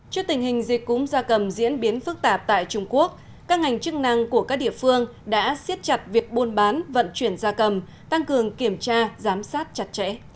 trước tình hình dịch cúm gia cầm diễn biến phức tạp tại trung quốc các ngành chức năng của các địa phương đã siết chặt việc buôn bán vận chuyển gia cầm tăng cường kiểm tra giám sát chặt chẽ